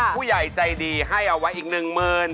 ผู้ใหญ่ใจดีให้เอาไว้อีก๑๐๐๐๐บาท